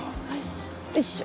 おいしょ。